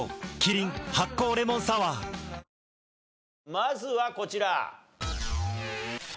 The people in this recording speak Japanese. まずはこちら。